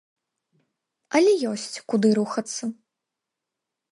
Але ёсць, куды рухацца.